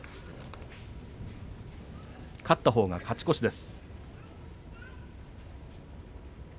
勝ったほうが勝ち越しです。